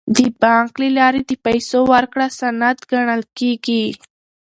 د بانک له لارې د پیسو ورکړه سند ګڼل کیږي.